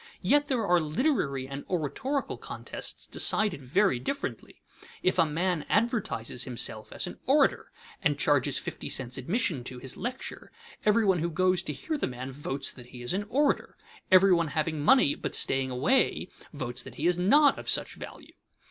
Yet there are literary and oratorical contests decided very differently. If a man advertises himself as an orator and charges fifty cents admission to his lecture, everyone who goes to hear the man votes that he is an orator; everyone having money but staying away votes that he is not of such value.